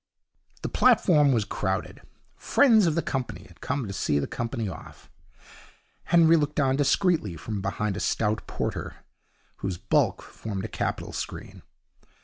The platform was crowded. Friends of the company had come to see the company off. Henry looked on discreetly from behind a stout porter, whose bulk formed a capital screen.